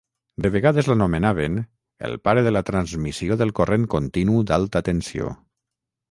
De vegades l'anomenaven "el pare de la transmissió del corrent continu d'alta tensió".